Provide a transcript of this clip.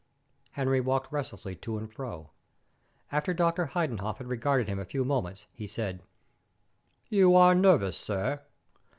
Henry walked restlessly to and fro. After Dr. Heidenhoff had regarded him a few moments, he said "You are nervous, sir.